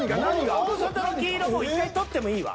大外の黄色１回取ってもいいわ。